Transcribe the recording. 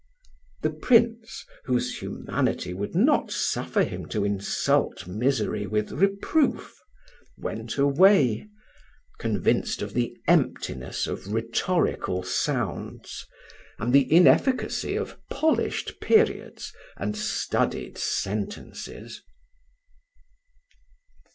The Prince, whose humanity would not suffer him to insult misery with reproof, went away, convinced of the emptiness of rhetorical sounds, and the inefficacy of polished periods and studied sentences.